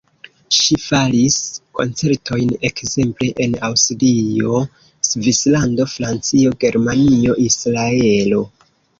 Ŝi faris koncertojn ekzemple en Aŭstrio, Svislando, Francio, Germanio, Israelo.